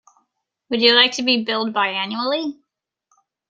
Would you like to be billed bi-annually?